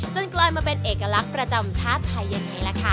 กลายมาเป็นเอกลักษณ์ประจำชาติไทยยังไงล่ะค่ะ